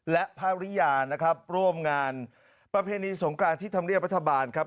และภรรยานะครับร่วมงานประเพณีสงกรานที่ธรรมเนียบรัฐบาลครับ